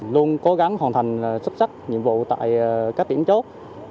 luôn cố gắng hoàn thành sức sắc nhiệm vụ tại các tiểm chốt